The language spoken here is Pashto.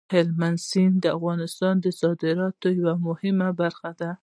هلمند سیند د افغانستان د صادراتو یوه مهمه برخه ده.